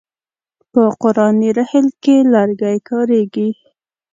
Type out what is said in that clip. په قرآني رحل کې لرګی کاریږي.